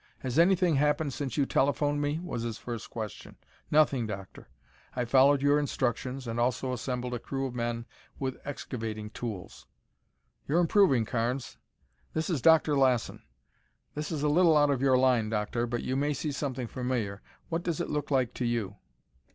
"Has anything happened since you telephoned me?" was his first question. "Nothing, Doctor. I followed your instructions and also assembled a crew of men with excavating tools." "You're improving, Carnes. This is Dr. Lassen. This is a little out of your line. Doctor, but you may see something familiar. What does it look like to you?"